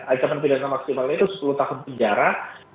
ancaman pidana maksimalnya itu sepuluh tahun penjara